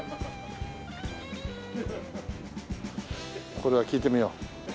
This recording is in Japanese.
これは聞いてみよう。